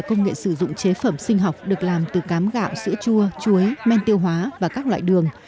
công nghệ sử dụng chế phẩm sinh học được làm từ cám gạo sữa chua chuối men tiêu hóa và các loại đường